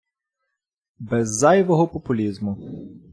Без зайвого популізму.